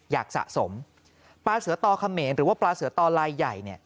สะสมปลาเสือต่อเขมรหรือว่าปลาเสือต่อลายใหญ่เนี่ย